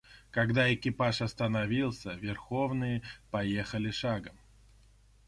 Когда экипаж остановился, верховые поехали шагом.